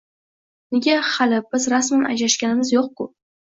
Nega, hali biz rasman ajrashganimiz yo`q-ku